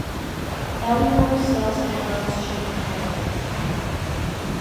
Elinor sells the house she inherited.